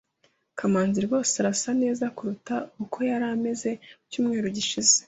Kamanzi rwose arasa neza kuruta uko yari ameze mu cyumweru gishize.